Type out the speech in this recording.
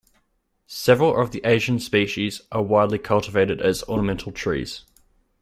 Several of the Asian species are widely cultivated as ornamental trees.